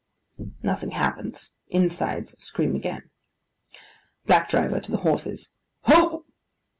Nothing happens. Insides scream again. BLACK DRIVER (to the horses). 'Ho!